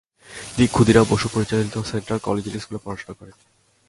তিনি ক্ষুদিরাম বসু পরিচালিত central collegiate স্কুলে পড়াশোনা করেন।